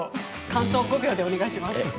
感想を５秒でお願いします。